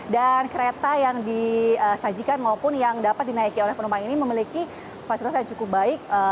dan kereta yang disajikan maupun yang dapat dinaiki oleh penumpang ini memiliki fasilitas yang cukup baik